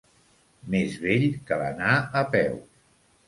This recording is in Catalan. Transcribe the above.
Més vell que l'anar a peu.